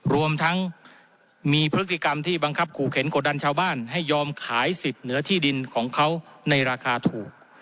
รวมทั้งมีพฤติกรรมที่บังคับขู่เข็นกดดันชาวบ้านให้ยอมขายสิทธิ์เหนือที่ดินของเขาในราคาถูก